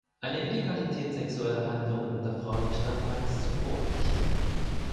Eine Illegalität sexueller Handlungen unter Frauen bestand bereits zuvor nicht.